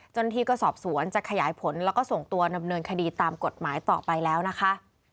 เจ้าหน้าที่ก็สอบสวนจะขยายผลแล้วก็ส่งตัวดำเนินคดีตามกฎหมายต่อไปแล้วนะคะ